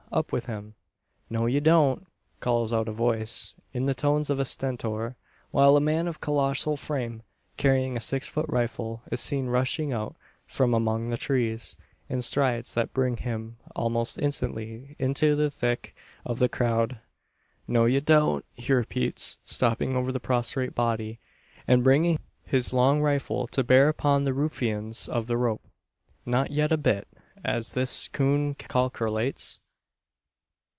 Up with him!" "No ye don't!" calls out a voice in the tones of a stentor; while a man of colossal frame, carrying a six foot rifle, is seen rushing out from among the trees, in strides that bring him almost instantly into the thick of the crowd. "No ye don't!" he repeats, stopping over the prostrate body, and bringing his long rifle to bear upon the ruffians of the rope. "Not yet a bit, as this coon kalkerlates.